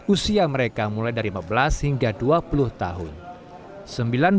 usia mereka mulai dari lima belas hingga dua puluh tahun